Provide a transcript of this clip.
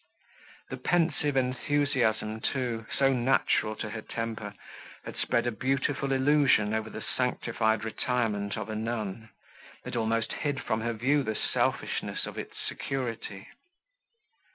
The pensive enthusiasm, too, so natural to her temper, had spread a beautiful illusion over the sanctified retirement of a nun, that almost hid from her view the selfishness of its security.